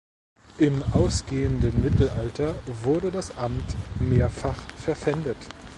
Im ausgehenden Mittelalter wurde das Amt mehrfach verpfändet.